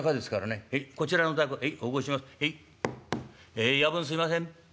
「ええ夜分すいません」。